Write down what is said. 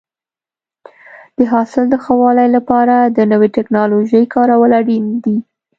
د حاصل د ښه والي لپاره د نوې ټکنالوژۍ کارول اړین دي.